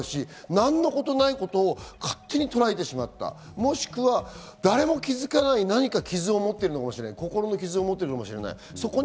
何のこともないことを勝手にとらえてしまった、もしくは誰も気づかない何か、傷を持っているかもしれない、心の傷を持っているのかもしれない。